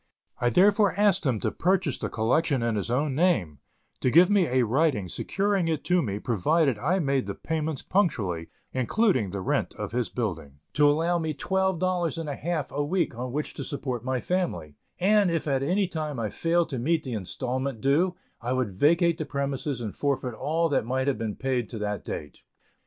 I therefore asked him to purchase the collection in his own name; to give me a writing securing it to me provided I made the payments punctually, including the rent of his building; to allow me twelve dollars and a half a week on which to support my family; and if at any time I failed to meet the instalment due, I would vacate the premises and forfeit all that might have been paid to that date.